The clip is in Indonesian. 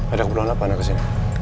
ada kebuluhan apaan ya kesini